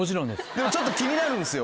でもちょっと気になるんですよ